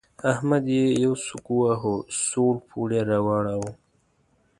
احمد يې يو سوک وواهه؛ سوړ پوړ يې راواړاوو.